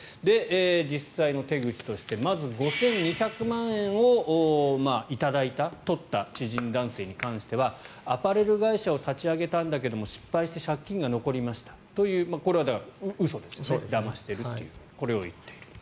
実際の手口としてまず、５２００万円を頂いた、取った知人男性に関してはアパレル会社を立ち上げたんだけど、失敗して借金が残りましたというこれは嘘ですよね、だましているこれを言っている。